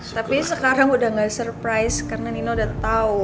tapi sekarang udah gak surprise karena nino udah tau